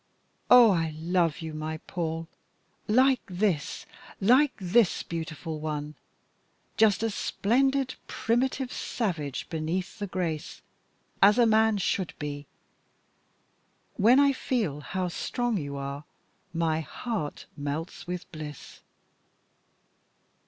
"Oh! I love you, my Paul like this, like this! Beautiful one! Just a splendid primitive savage beneath the grace, as a man should be. When I feel how strong you are my heart melts with bliss!"